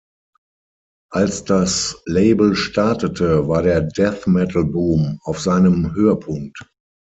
Als das Label startete war der Death-Metal-Boom auf seinem Höhepunkt.